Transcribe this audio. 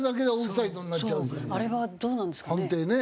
あれはどうなんですかね？